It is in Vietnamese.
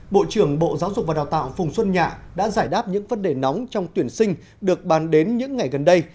bộ trưởng bộ giáo dục và đào tạo phùng xuân nhạ đã giải đáp những vấn đề nóng trong tuyển sinh được bàn đến những ngày gần đây